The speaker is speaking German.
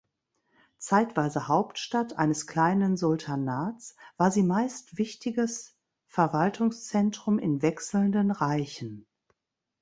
Zeitweise Hauptstadt eines kleinen Sultanats war sie meist wichtiges Verwaltungszentrum in wechselnden Reichen.